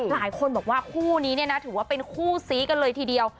หลายคนบอกว่าคู่นี้เนี่ยนะถือว่าเป็นคู่ซี้กันเลยทีเดียว